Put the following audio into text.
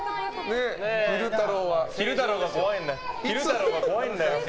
昼太郎が怖いんだよ。